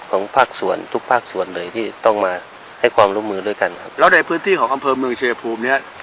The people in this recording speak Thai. ของภาคส่วนทุกภาคส่วนเลยที่ต้องมาให้ความร่วมมือด้วยกันครับแล้วในพื้นที่ของอำเภอเมืองชายภูมิเนี้ย